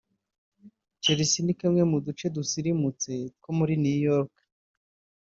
Chelsea ni kamwe mu duce dusirimutse two muri New York